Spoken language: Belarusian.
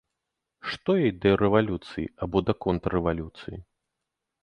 Што ёй да рэвалюцыі або да контррэвалюцыі?